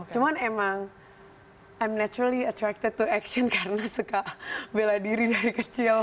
cuman emang am naturally attracted to action karena suka bela diri dari kecil